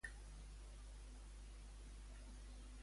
Qui més ha parlat sobre aquesta negociació, a banda de Vučić?